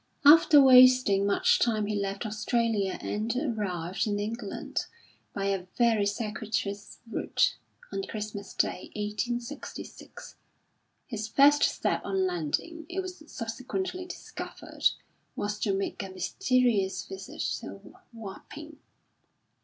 After wasting much time he left Australia and arrived in England, by a very circuitous route, on Christmas Day, 1866. His first step on landing, it was subsequently discovered, was to make a mysterious visit to Wapping.